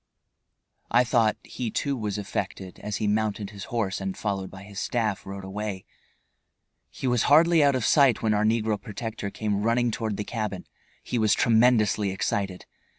I thought, he too was affected as he mounted his horse and, followed by his staff, rode away. He was hardly out of sight when our negro protector came running toward the cabin. He was tremendously excited.